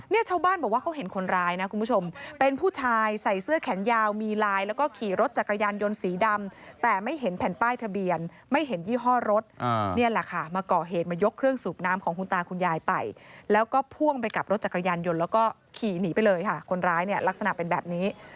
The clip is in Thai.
ชาวบ้านบอกว่าเขาเห็นคนร้ายนะคุณผู้ชมเป็นผู้ชายใส่เสื้อแขนยาวมีลายแล้วก็ขี่รถจักรยานยนต์สีดำแต่ไม่เห็นแผ่นป้ายทะเบียนไม่เห็นยี่ห้อรถนี่แหละค่ะมาก่อเหตุมายกเครื่องสูบน้ำของคุณตาคุณยายไปแล้วก็พ่วงไปกับรถจักรยานยนต์แล้วก็ขี่หนีไปเลยค่ะคนร้ายเนี่ยลักษณะเป็นแบบนี้